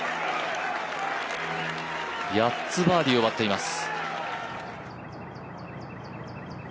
８つバーディーを奪っています。